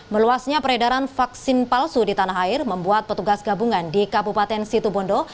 meluasnya peredaran vaksin palsu di tanah air membuat petugas gabungan di kabupaten situbondo